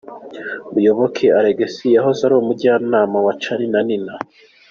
Muyoboke Alex wahoze ari umujyanama wa Charly na Nina.